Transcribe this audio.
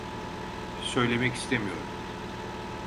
Söylemek istemiyorum.